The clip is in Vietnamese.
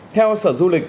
theo sở du lịch